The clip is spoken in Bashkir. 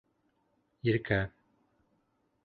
Иркә...